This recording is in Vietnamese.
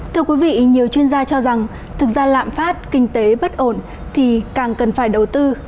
thưa quý vị nhiều chuyên gia cho rằng thực ra lạm phát kinh tế bất ổn thì càng cần phải đầu tư